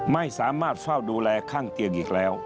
ไม่สามารถเฝ้าดูแลข้างเตียงอีกแล้ว